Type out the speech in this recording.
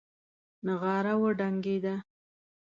نغاره وډنګېده.